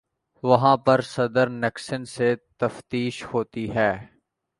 وہاں پہ صدر نکسن سے تفتیش ہوتی ہے۔